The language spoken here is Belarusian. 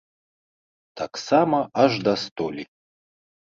Таксама аж да столі.